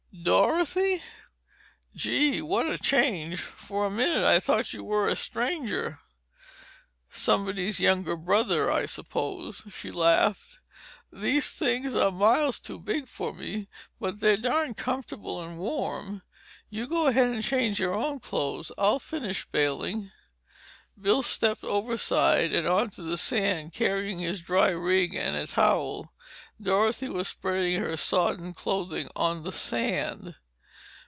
"Dorothy! Gee—what a change! For a minute I thought you were a stranger." "Somebody's younger brother, I suppose," she laughed. "These things are miles too big for me—but they're darned comfortable and warm. You go ahead and change your own clothes. I'll finish bailing." Bill stepped overside and on to the sand, carrying his dry rig and a towel. Dorothy was spreading her sodden clothing on the sand.